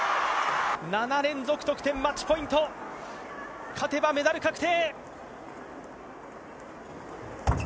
７連続得点、マッチポイント、勝てばメダル確定。